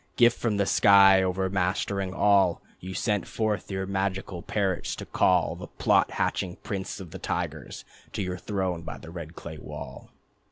Gift from the sky, overmastering all, You sent forth your magical parrots to call The plot hatching prince of the tigers, To your throne by the red clay wall.